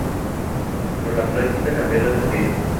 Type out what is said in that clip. Pero la práctica cambió la teoría.